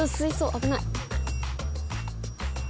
危ない。